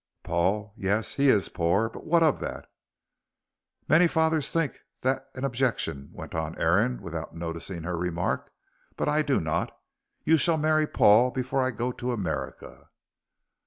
"Paul yes, he is poor. But what of that?" "Many fathers might think that an objection," went on Aaron without noticing her remark. "But I do not. You shall marry Paul before I go to America."